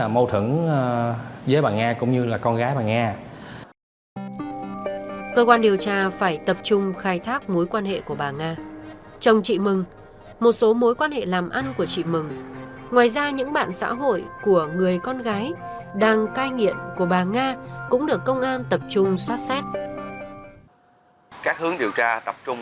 một là mối quan hệ và phát sinh mâu hứng giữa chị mừng và chồng của chị mừng